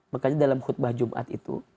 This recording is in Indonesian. makanya dalam khutbah jumat itu